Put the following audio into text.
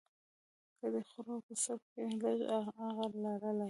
که دې خرو په سر کي لږ عقل لرلای